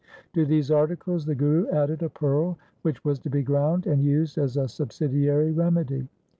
To these articles the Guru added a pearl which was to be ground and used as a subsidiary remedy.